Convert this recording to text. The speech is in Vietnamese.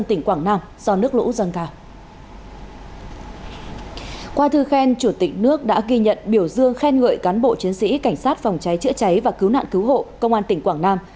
qua thư khen chủ tịch nước đã ghi nhận biểu dương khen ngợi cán bộ chiến sĩ cảnh sát phòng cháy chữa cháy và cứu nạn cứu hộ công an tỉnh quảng nam